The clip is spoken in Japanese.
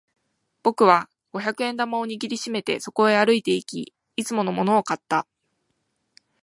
僕は五百円玉を握り締めてそこへ歩いていき、いつものものを買った。